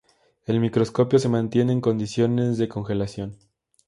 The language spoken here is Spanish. El microscopio se mantiene en condiciones de congelación.